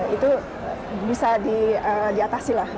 itu bisa diatasi lah